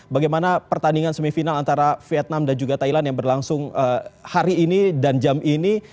bagaimana pertandingan semifinal antara vietnam dan juga thailand yang berlangsung hari ini dan jam ini